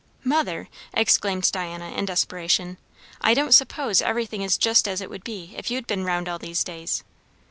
"Mother," exclaimed Diana in desperation, "I don't suppose everything is just as it would be if you'd been round all these days."